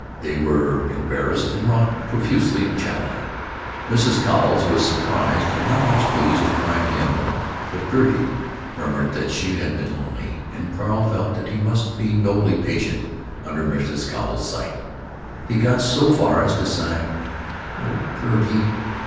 They were embarrassed, and rocked profusely and chattily. Mrs. Cowles was surprised and not much pleased to find him, but Gertie murmured that she had been lonely, and Carl felt that he must be nobly patient under Mrs. Cowles's slight. He got so far as to sigh, "O Gertie!"